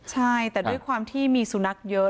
ใช่แต่ด้วยความที่มีสุนัขเยอะ